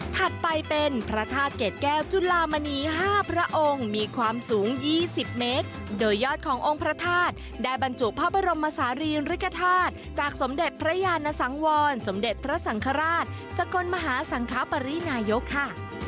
ถัดไปเป็นพระธาตุเกรดแก้วจุลามณี๕พระองค์มีความสูง๒๐เมตรโดยยอดขององค์พระธาตุได้บรรจุพระบรมศาลีริกฐาตุจากสมเด็จพระยานสังวรสมเด็จพระสังฆราชสกลมหาสังคปรินายกค่ะ